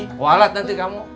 nggak nggak bisa jadi seperti kamu